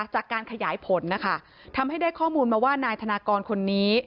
จากการขยายผลนะคะทำให้ได้ข้อมูลมาว่านายธนากรคนนี้